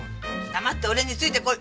黙って俺について来い！